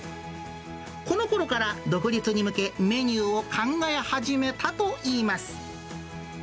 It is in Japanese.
このころから、独立に向け、メニューを考え始めたといいます。